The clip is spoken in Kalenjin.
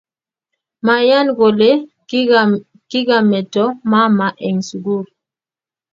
Mayan kole kikameto mama eng sukul.